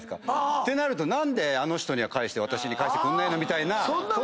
てなると何であの人には返して私に返してくれない⁉みたいな。